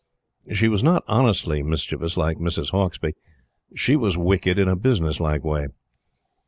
She was not honestly mischievous like Mrs. Hauksbee; she was wicked in a business like way.